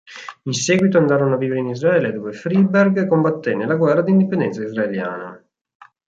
In seguito andarono a vivere in Israele, dove Freiberg combatté nella guerra d'indipendenza israeliana.